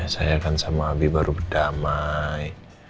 saya kan sama abi baru berdamai